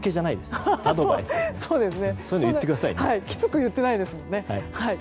きつく言っていないですもんね。